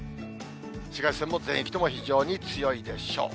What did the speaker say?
紫外線も全域とも非常に強いでしょう。